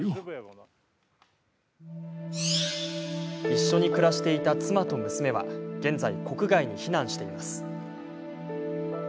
一緒に暮らしていた妻と娘は現在、国外に避難しています。